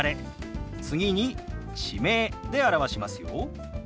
次に地名で表しますよ。